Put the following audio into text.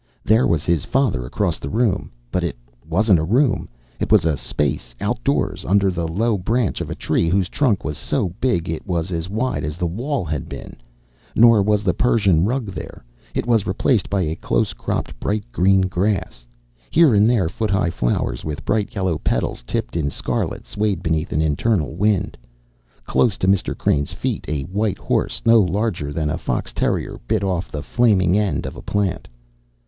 There was his father across the room. But it wasn't a room. It was a space outdoors under the low branch of a tree whose trunk was so big it was as wide as the wall had been. Nor was the Persian rug there. It was replaced by a close cropped bright green grass. Here and there foot high flowers with bright yellow petals tipped in scarlet swayed beneath an internal wind. Close to Mr. Crane's feet a white horse no larger than a fox terrier bit off the flaming end of a plant.